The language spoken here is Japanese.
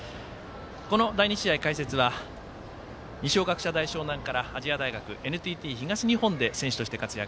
この第２試合、解説は二松学舎大沼南から亜細亜大学ＮＴＴ東日本で選手として活躍